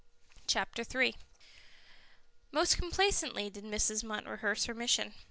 Chapter 3 Most complacently did Mrs. Munt rehearse her mission.